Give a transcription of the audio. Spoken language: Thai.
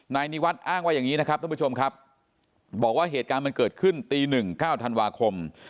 นายนิวัฒน์อ้างว่าอย่างนี้นะครับท่านผู้ชมครับบอกว่าเหตุการณ์มันเกิดขึ้นตีหนึ่งเก้าธันวาคม